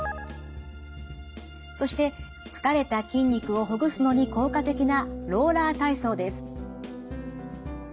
そして疲れた筋肉をほぐすのに効果的なローラー体操です。